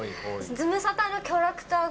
ズムサタのキャラクターが。